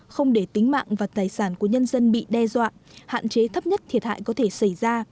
không để tính mạng và tài sản của nhân dân bị đe dọa hạn chế thấp nhất thiệt hại có thể xảy ra